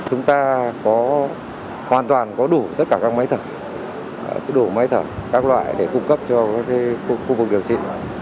chúng ta có hoàn toàn có đủ tất cả các máy thở đổ máy thở các loại để cung cấp cho khu vực điều trị